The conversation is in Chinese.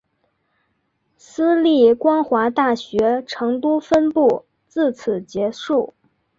私立光华大学成都分部自此结束。